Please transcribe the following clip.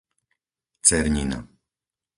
Cernina